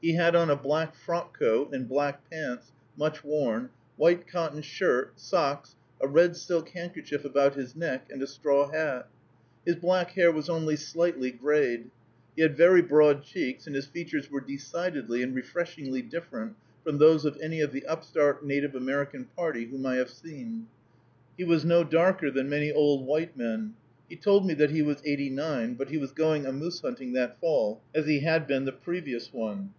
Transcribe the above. He had on a black frock coat, and black pants, much worn, white cotton shirt, socks, a red silk handkerchief about his neck, and a straw hat. His black hair was only slightly grayed. He had very broad cheeks, and his features were decidedly and refreshingly different from those of any of the upstart Native American party whom I have seen. He was no darker than many old white men. He told me that he was eighty nine; but he was going a moose hunting that fall, as he had been the previous one.